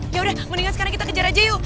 yaudah mendingan sekarang kita kejar aja yuk